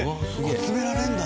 集められるんだ。